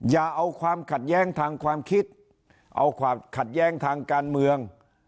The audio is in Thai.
อย่าเอาความขัดแย้งทางความคิดเอาความขัดแย้งทางการเมือง